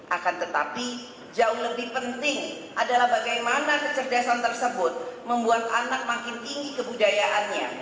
akan tetapi jauh lebih penting adalah bagaimana kecerdasan tersebut membuat anak makin tinggi kebudayaannya